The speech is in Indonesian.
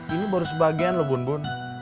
ini baru sebagian loh bun bun